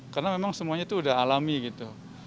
karena memang semuanya itu sudah alami gitu